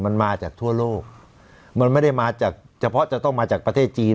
มันมาจากทั่วโลกมันไม่ได้มาจากเฉพาะจะต้องมาจากประเทศจีน